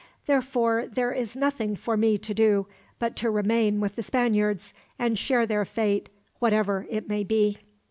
Therefore, there is nothing for me to do but to remain with the Spaniards, and share their fate, whatever it may be."